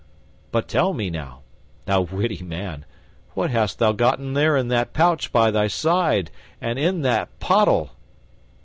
But tell me, now, thou witty man, what hast thou gotten there in that pouch by thy side and in that pottle?"